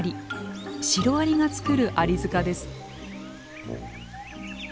シロアリが作るアリ塚です。